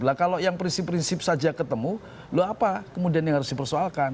lah kalau yang prinsip prinsip saja ketemu loh apa kemudian yang harus dipersoalkan